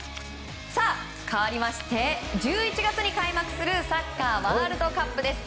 かわりまして１１月に開幕するサッカーワールドカップです。